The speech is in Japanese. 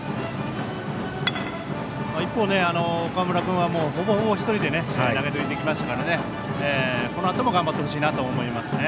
一方、岡村君は、ほぼほぼ１人で投げ抜いてきましたからこのあとも頑張ってほしいなと思いますね。